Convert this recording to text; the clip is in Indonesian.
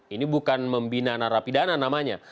ini bukan membina narapidana namanya